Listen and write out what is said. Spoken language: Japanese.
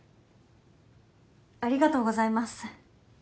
ありがとうございます。